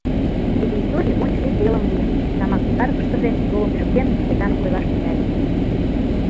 — Тиде историй ончылий телым лийын, — тамак сигаркышкыже тулым пижыктен, Шкетан ойлаш тӱҥале.